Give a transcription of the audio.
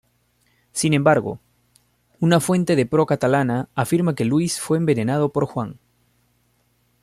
Sin embargo, una fuente de pro-catalana afirma que Luis fue envenenado por Juan.